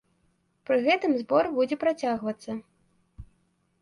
Пры гэтым збор будзе працягвацца.